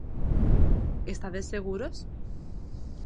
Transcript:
Estades seguros?